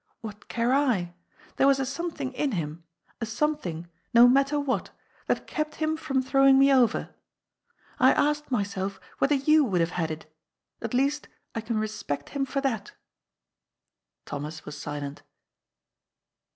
What care I ? There was a something in him, a something, no matter what, that kept him from throwing me over. I asked myself whether you would have had it. At least, I can respect him for that." Thomas was silent.